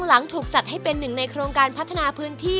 หลังถูกจัดให้เป็นหนึ่งในโครงการพัฒนาพื้นที่